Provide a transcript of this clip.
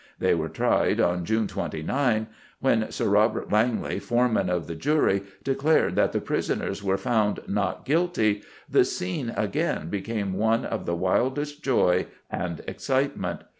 They were tried on June 29. When Sir Robert Langley, foreman of the jury, declared that the prisoners were found "not guilty" the scene again became one of the wildest joy and excitement.